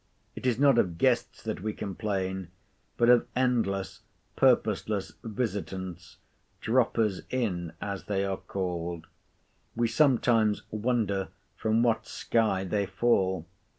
It is not of guests that we complain, but of endless, purposeless visitants; droppers in, as they are called. We sometimes wonder from what sky they fall.